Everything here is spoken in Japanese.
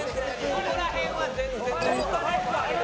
ここら辺は全然。